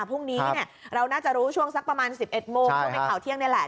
พรุ่งนี้เราน่าจะรู้ช่วงสักประมาณ๑๑โมงช่วงในข่าวเที่ยงนี่แหละ